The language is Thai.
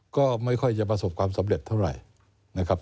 ก็ไม่ค่อยจะประสบความสำเร็จเท่าไหร่นะครับ